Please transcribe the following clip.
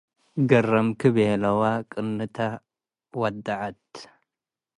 “ገረምኪ” ቤለወ፡ ቅንታ ወደዐት።